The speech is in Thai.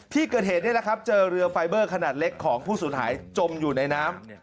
ที่เกิดเหตุนี่แหละครับเจอเรือไฟเบอร์ขนาดเล็กของผู้สูญหายจมอยู่ในน้ำ